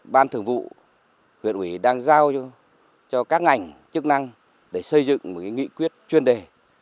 ban thường vụ huyện ủy đang giao cho các ngành chức năng để xây dựng một nghị quyết chuyên đề